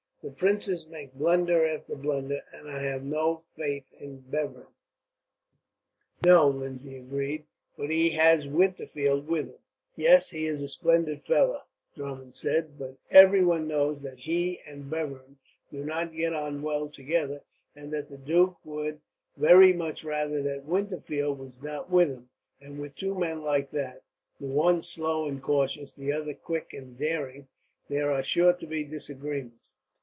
The princes make blunder after blunder, and I have no faith in Bevern." "No," Lindsay agreed, "but he has Winterfeld with him." "Yes, he is a splendid fellow," Drummond said; "but everyone knows that he and Bevern do not get on well together, and that the duke would very much rather that Winterfeld was not with him; and with two men like that, the one slow and cautious, the other quick and daring, there are sure to be disagreements.